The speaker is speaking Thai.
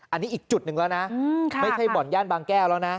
อันนี้อีกจุดหนึ่งแล้วนะไม่ใช่บ่อนย่านบางแก้วแล้วนะ